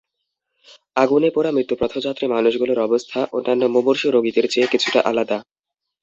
আগুনে পোড়া মৃত্যুপথযাত্রী মানুষগুলোর অবস্থা অন্যান্য মুমূর্ষু রোগীদের চেয়ে কিছুটা আলাদা।